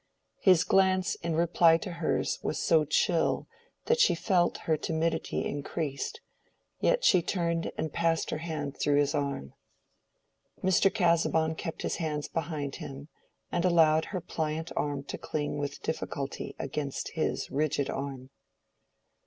His glance in reply to hers was so chill that she felt her timidity increased; yet she turned and passed her hand through his arm. Mr. Casaubon kept his hands behind him and allowed her pliant arm to cling with difficulty against his rigid arm.